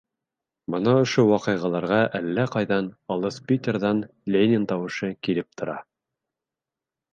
Бына ошо ваҡиғаларға әллә ҡайҙан, алыҫ Питерҙан, Ленин тауышы килеп тора.